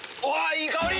いい香り！